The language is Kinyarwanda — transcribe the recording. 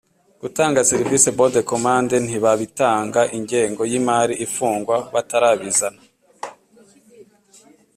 Gutanga serivise bon de commande ntibabitanga ingengo y imari ifungwa batarabizana